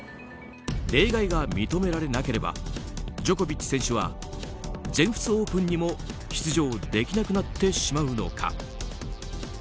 例外が認められなければジョコビッチ選手は全仏オープンにも出場できなくなってしまうのか。